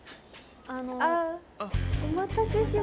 お待たせしました。